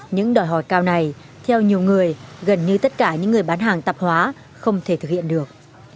những đòi hỏi cao này theo nhiều người gần như tất cả những người bán hàng tạp hóa không thể thực hiện được